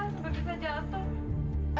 sebab kita jatuh